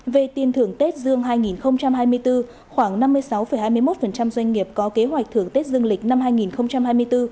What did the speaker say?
về tiền thưởng tết dương hai nghìn hai mươi bốn khoảng năm mươi sáu hai mươi một doanh nghiệp có kế hoạch thưởng tết dương lịch năm hai nghìn hai mươi bốn